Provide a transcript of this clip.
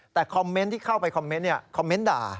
แต่คอมเมนต์ที่เข้าไปคอมเมนต์คอมเมนต์ด่า